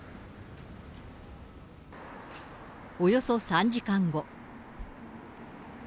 およそ３時間後。